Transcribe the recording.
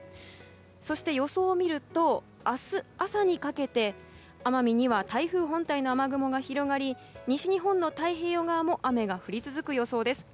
そして、予想を見ると明日朝にかけて奄美には台風本体の雨雲が広がり西日本の太平洋側も雨が降り続く予想です。